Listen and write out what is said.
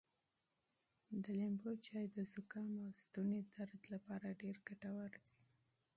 د لیمو چای د زکام او ستوني درد لپاره ډېر ګټور دی.